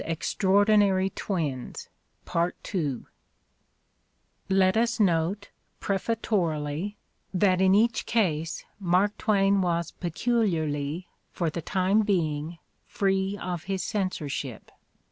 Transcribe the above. i88 The Ordeal of Mark Twain Let us note, pref atorily, that in each case Mark Twain was peculiarly, for the time being, free of his censor ship.